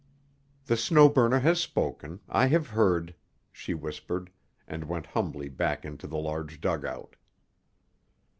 "The Snow Burner has spoken; I have heard," she whispered, and went humbly back into the large dugout.